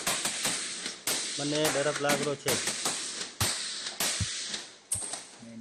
مني ڏرپ لآگ رو ڇي۔